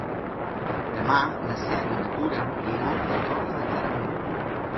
Demà na Cel i na Tura iran a la Torre de Claramunt.